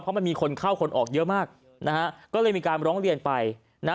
เพราะมันมีคนเข้าคนออกเยอะมากนะฮะก็เลยมีการร้องเรียนไปนะฮะ